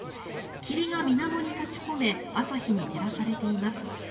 霧がみなもに立ち込め朝日に照らされています。